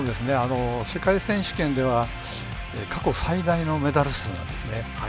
世界選手権では過去最大のメダル数なんですね。